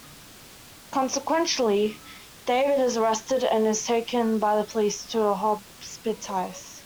Consequently, David is arrested and taken by the police to a hospice.